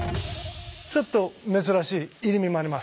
ちょっと珍しい入身もあります。